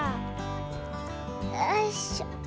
よいしょ。